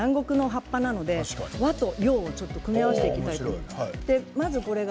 竹は和なんですがモンステラは南国の葉っぱなので和と洋を組み合わせていきたいと思います。